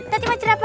kita timat jerapa